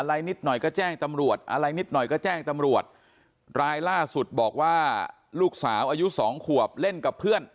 นิดหน่อยก็แจ้งตำรวจอะไรนิดหน่อยก็แจ้งตำรวจรายล่าสุดบอกว่าลูกสาวอายุสองขวบเล่นกับเพื่อน